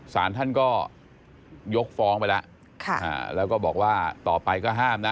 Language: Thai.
สารท่านก็ยกฟ้องไปแล้วแล้วก็บอกว่าต่อไปก็ห้ามนะ